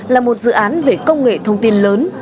là một dự án về công nghệ thông tin lớn